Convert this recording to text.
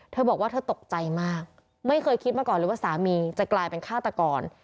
เธอบอกว่าเธอตกใจมากไม่เคยคิดมาก่อนเลยว่าสามีจะกลายเป็นฆาตกร